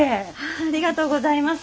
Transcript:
ありがとうございます。